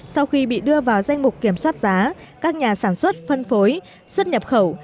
sau khi bị đưa vào danh mục kiểm soát giá các nhà sản xuất phân phối xuất nhập khẩu